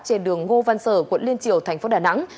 trên đường ngô văn sở quận liên triều tp đà nẵng